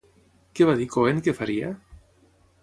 Què va dir Cohen que faria?